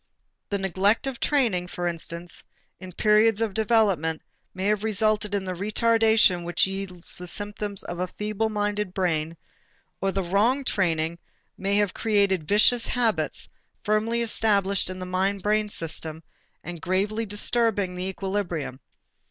The neglect of training, for instance, in periods of development may have resulted in the retardation which yields the symptoms of a feeble minded brain, or the wrong training may have created vicious habits, firmly established in the mind brain system and gravely disturbing the equilibrium.